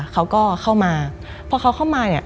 เขาก็เข้ามาพอเขาเข้ามาเนี่ย